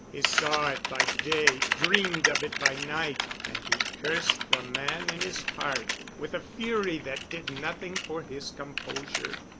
He saw it by day, dreamed of it by night, and he cursed the man in his heart with a fury that did nothing for his composure.